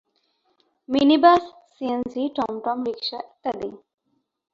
minibus, CNG, টমটম, rickshaw ইত্যাদি